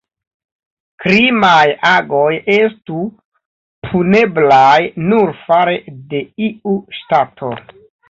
Krimaj agoj estu puneblaj nur fare de iu ŝtato.